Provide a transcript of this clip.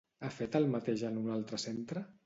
Ha fet el mateix en un altre centre?